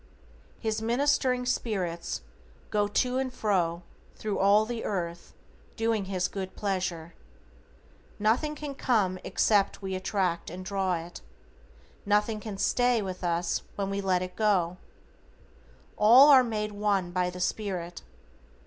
"His ministering spirits go to and fro thru all the earth doing His good pleasure." Nothing can come except we attract and draw it. Nothing can stay with us when we LET GO. All are made one by the spirit.